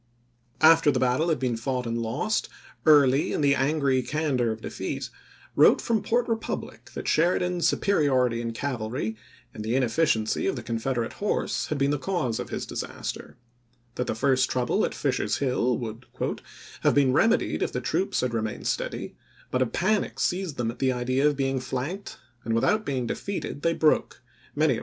After the battle had been fought Gim.7' and lost, Early, in the angry candor of defeat, wrote from Port Republic that Sheridan's superior ity in cavalry and the inefficiency of the Confeder ate horse had been the cause of his disaster ; that the first trouble at Fisher's Hill would " have been remedied if the troops had remained steady, but a panic seized them at the idea of being flanked, and without being defeated they broke, many of them 312 ABRAHAM LINCOLN Chap.